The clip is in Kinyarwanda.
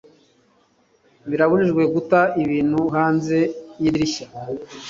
birabujijwe guta ibintu hanze yidirishya